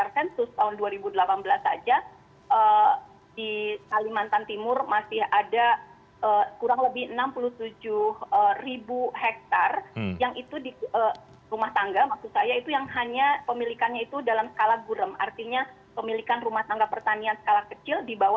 pembaruan agraria pembaruan agraria